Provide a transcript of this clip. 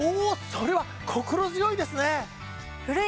それは心強いですね！